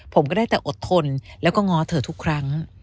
ผมก็ได้แต่อดทนแล้วก็ง้อเธอทุกครั้ง